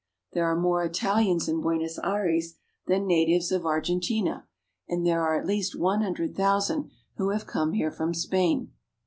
There are more Italians in Buenos Aires than natives of Argentina, and there are at least one hundred thousand who have come here from Spain.